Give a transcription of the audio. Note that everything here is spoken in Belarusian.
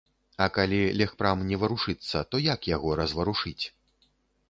А калі легпрам не варушыцца, то як яго разварушыць?